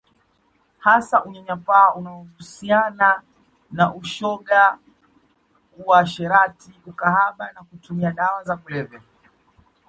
Hasa unyanyapaa unaohusiana na ushoga uasherati ukahaba na kutumia dawa za kulevya